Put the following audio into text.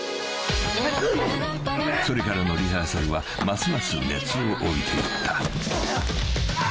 ［それからのリハーサルはますます熱を帯びていった］